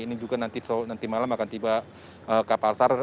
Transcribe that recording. ini juga nanti malam akan tiba kapal sar